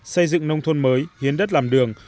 xây dựng nông thôn mới hiến đất làm đường